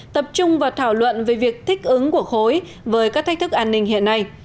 tập trung vào thảo luận về việc thích ứng của khối với các thách thức an ninh hiện nay